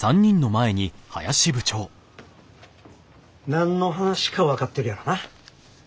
何の話か分かってるやろな。